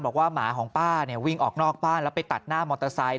หมาของป้าวิ่งออกนอกบ้านแล้วไปตัดหน้ามอเตอร์ไซค